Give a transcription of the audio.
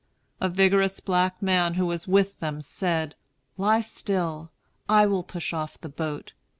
A vigorous black man who was with them said: "Lie still. I will push off the boat.